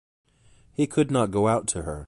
He could not go out to her.